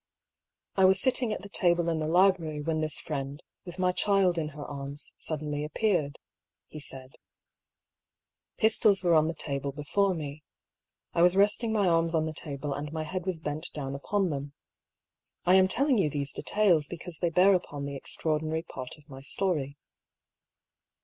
" I was sitting at the table in the library when this friend, with my child in her arms, suddenly appeared," he said. " Pistols were on the table before me. I was resting my arms on the table and my head was bent down upon them. I am telling you these details be cause they bear upon the extraordinary partof my story.